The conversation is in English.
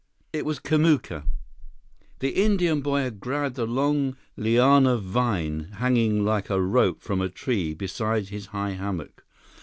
It was Kamuka. The Indian boy had grabbed a long liana vine hanging like a rope from a tree beside his high hammock.